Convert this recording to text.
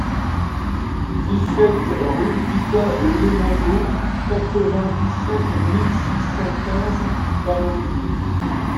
dix-sept rUE VITA LEMENGO, quatre-vingt-dix-sept mille six cent quinze Pamandzi